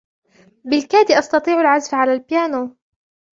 بالكاد أستطيع العزف على البيانو.